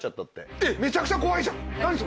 えっめちゃくちゃ怖いじゃん何それ。